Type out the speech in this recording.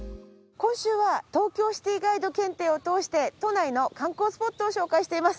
今週は東京シティガイド検定を通して都内の観光スポットを紹介しています。